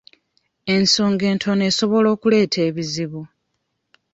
Ensonga entono esobola okuleeta ebizibu.